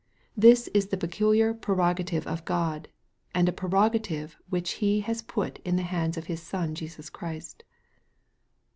This is the peculiar prerogative of God, and a prerogative which He has put in the hands of His Son Jesus Christ.